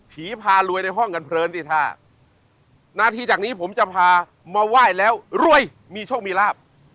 พารวยในห้องกันเพลินที่ท่านาทีจากนี้ผมจะพามาไหว้แล้วรวยมีโชคมีลาบ